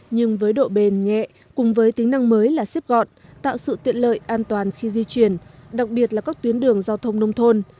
nhưng với độ bền nhẹ cùng với tính năng mới là xếp gọn tạo sự tiện lợi an toàn khi di chuyển đặc biệt là các tuyến đường giao thông nông thôn